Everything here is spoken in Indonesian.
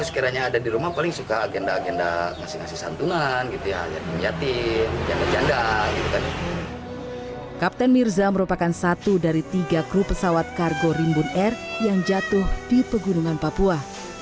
kapten mirza merupakan satu dari tiga kru pesawat kargo rimbun air yang jatuh di pegunungan papua